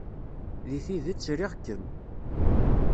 Deg tidet, riɣ-kem.